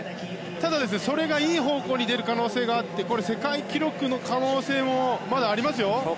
ただ、それがいい方向に出る可能性があって世界記録の可能性もまだありますよ。